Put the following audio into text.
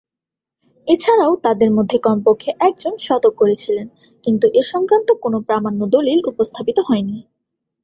এছাড়াও তাদের মধ্যে কমপক্ষে একজন শতক করেছিলেন; কিন্তু এ সংক্রান্ত কোন প্রামাণ্য দলিল উপস্থাপিত হয়নি।